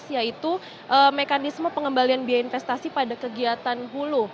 yaitu mekanisme pengembalian biaya investasi pada kegiatan hulu